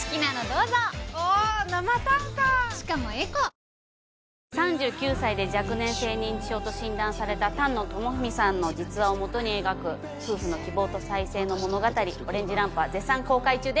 自然をおいしく楽しくカゴメカゴメ３９歳で若年性認知症と診断された丹野智文さんの実話をもとに描く夫婦の希望と再生の物語『オレンジ・ランプ』は絶賛公開中です。